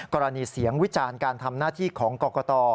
กรณีเสียงวิจารณ์การทำหน้าที่ของกรกต